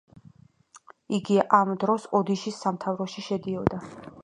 იგი ამ დროს ოდიშის სამთავროში შედიოდა.